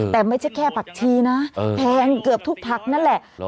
แต่ไม่ใช่แค่ผักชีนะแพงเกือบทุกผักนั่นแหละ